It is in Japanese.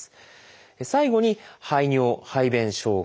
最後に排尿・排便障害。